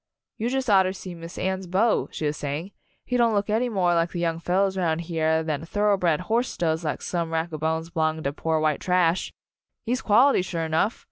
"You jus' oughter see Miss Anne's An Announcement Party. 21 beau," she was saying; "he don't look any more like the young fellows 'round here than a thorough bred horse does like some rack a bones belonging to poor white trash. He's quality, sure enough!